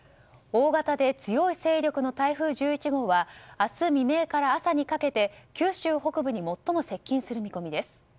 大型で強い勢力の台風１１号は明日未明から朝にかけて九州北部に最も接近する見込みです。